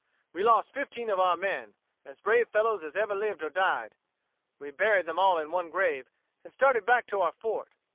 We lost fifteen of our men, as brave fellows as ever lived or died. We buried them all in one grave, and started back to our fort.